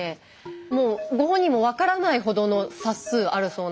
もうご本人も分からないほどの冊数あるそうなんですが。